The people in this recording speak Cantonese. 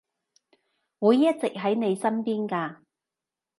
會一直喺你身邊㗎